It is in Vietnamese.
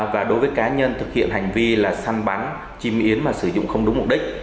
và đối với cá nhân thực hiện hành vi là săn bắn chim yến mà sử dụng không đúng mục đích